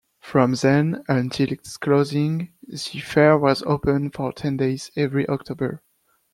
From then until its closing, the fair was open for ten days every October.